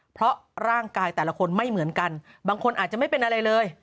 เพราะร่างกายแต่ละคนไม่เหมือนกันบางคนอาจจะไม่เป็นอะไรเลย